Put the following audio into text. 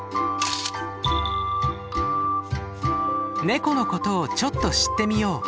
ネコのことをちょっと知ってみよう。